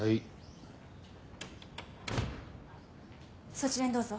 そちらにどうぞ。